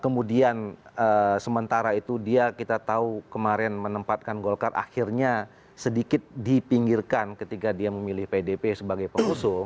kemudian sementara itu dia kita tahu kemarin menempatkan golkar akhirnya sedikit dipinggirkan ketika dia memilih pdp sebagai pengusung